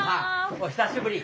お久しぶり！